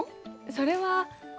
それは。